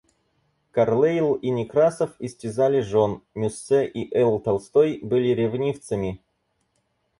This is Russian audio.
Карлейль и Некрасов истязали жен. Мюссе и Л. Толстой были ревнивцами.